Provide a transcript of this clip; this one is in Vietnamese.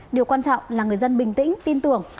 điều quan trọng là người dân bình tĩnh tin tưởng